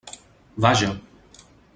Vaja!